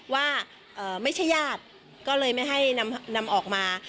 ว่าไม่ใช่ญาติก็เลยไม่ให้นำออกมา